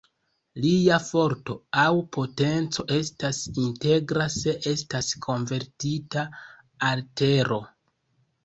Lia forto aŭ potenco estas integra se estas konvertita al tero.